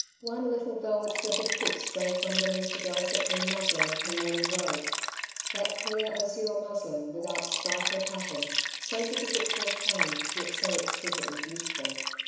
One little velvet slippered foot strayed from beneath the delicate blue muslin of her morning robe — that clear azure muslin without stripe or pattern, so difficult to obtain, yet so exquisitely beautiful.